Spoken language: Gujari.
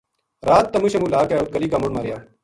رات تمو شمو لا کے اُت گلی کا مُنڈھ ما رہیا